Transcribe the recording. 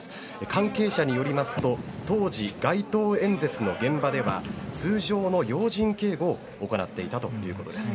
関係者によりますと当時、街頭演説の現場では通常の要人警護を行っていたということです。